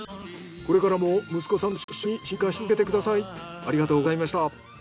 これからも息子さんたちと一緒に進化し続けてください。